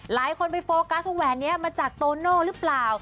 หลายคนไปโฟกัสว่าแหวนนี้มาจากโตโน่หรือเปล่า